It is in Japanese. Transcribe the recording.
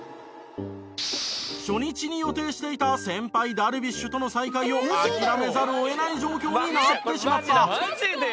初日に予定していた先輩ダルビッシュとの再会を諦めざるを得ない状況になってしまった。